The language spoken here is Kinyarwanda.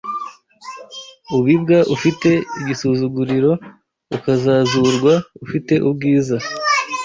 ubibwa ufite igisuzuguriro, ukazazurwa ufite ubwiza